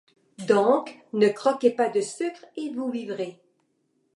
Donc ne croquez pas de sucre et vous vivrez !